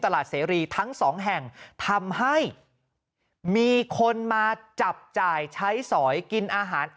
เสรีทั้งสองแห่งทำให้มีคนมาจับจ่ายใช้สอยกินอาหาร